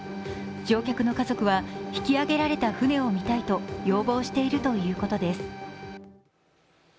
乗客の家族は引き揚げられた船を見たいと要望しているということです。